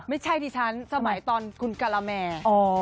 ไม่ใช่ดิฉันสมัยตอนคุณการาแม